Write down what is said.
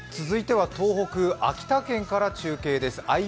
続いては東北、秋田県から中継です。